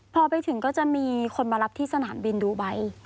พอไปถึงก็จะมีคนมารับที่สนามบินดูไบ